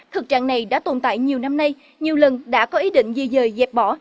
thực trạng này đã tồn tại nhiều năm nay nhiều lần đã có ý định di dời dẹp bỏ